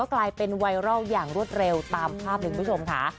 กลายเป็นไวรัลอย่างรวดเร็วตามภาพเลยคุณผู้ชมค่ะ